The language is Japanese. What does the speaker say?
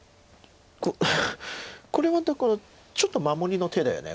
これはだからちょっと守りの手だよね。